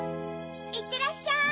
いってらっしゃい！